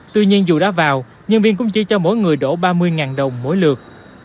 tuy nhiên dù đã vào nhân viên cũng chỉ cho mỗi người đổ ba mươi đồng mỗi lượt